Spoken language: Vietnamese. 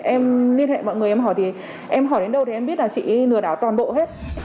em liên hệ mọi người em hỏi đến đâu thì em biết là chị lừa đảo toàn bộ hết